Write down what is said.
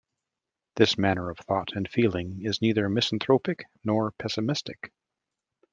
This manner of thought and feeling is neither misanthropic nor pessimist.